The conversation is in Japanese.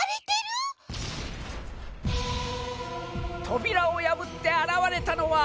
・「とびらをやぶってあらわれたのは」。